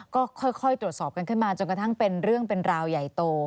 ก็ค่อยตรวจสอบกันขึ้นมาจนกระทั่งเป็นเรื่องเป็นราวใหญ่โต